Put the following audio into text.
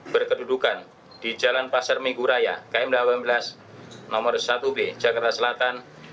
berkedudukan di jalan pasar minggu raya km delapan belas nomor satu b jakarta selatan